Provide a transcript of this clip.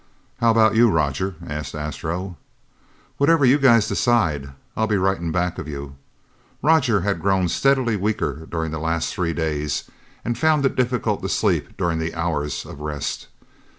"How about you, Roger?" asked Astro. "Whatever you guys decide, I'll be right in back of you." Roger had grown steadily weaker during the last three days and found it difficult to sleep during the hours of rest.